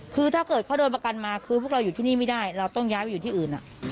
คือถ้าเกิดเขาโดนประกันมาคือพวกเราอยู่ที่นี่ไม่ได้เราต้องย้ายไปอยู่ที่อื่น